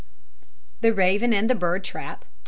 THE RAVEN AND THE BIRD TRAP.